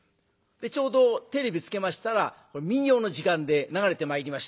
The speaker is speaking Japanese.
ちょうどテレビつけましたら民謡の時間で流れてまいりました。